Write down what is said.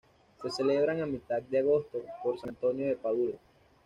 Se celebran a mitad de agosto, por San Antonio de Padua.